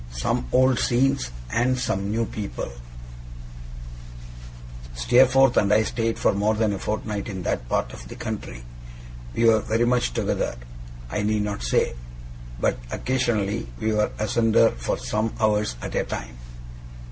SOME OLD SCENES, AND SOME NEW PEOPLE Steerforth and I stayed for more than a fortnight in that part of the country. We were very much together, I need not say; but occasionally we were asunder for some hours at a time.